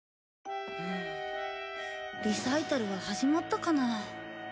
リサイタルは始まったかな